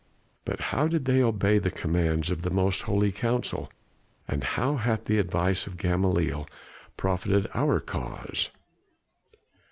But how did they obey the commands of the most holy Council, and how hath the advice of Gamaliel profited our cause?